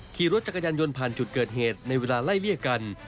ขี่รถจักรยานยนต์ผ่านจุดเกิดเหตุในเวลาไล่เลี่ยกัน